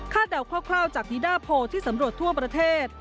เดาคร่าวจากทีดาโพลที่สำรวจทั่วประเทศ